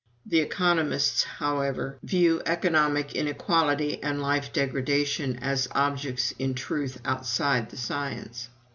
The economists, however, view economic inequality and life degradation as objects in truth outside the science.